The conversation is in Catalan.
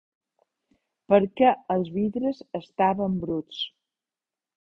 Perquè els vidres estaven bruts.